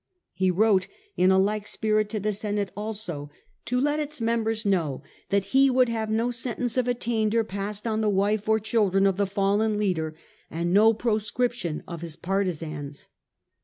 He wrote in a like spirit to the Senate also, to let its members know that he would have no sentence of at tainder passed on the wife or children of the fallen leader, and no proscription of his partisans.